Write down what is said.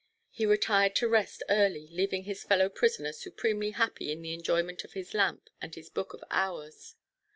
He retired to rest early, leaving his fellow prisoner supremely happy in the enjoyment of his lamp and his Book of Hours.